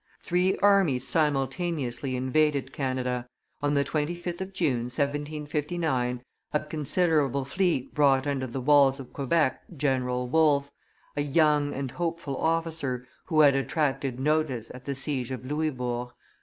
Three armies simultaneously invaded Canada; on the 25th of June, 1759, a considerable fleet brought under the walls of Quebec General Wolfe, a young and hopeful officer who had attracted notice at the siege of Louisbourg.